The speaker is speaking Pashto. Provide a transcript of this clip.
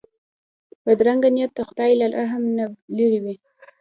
بدرنګه نیت د خدای له رحم نه لیرې وي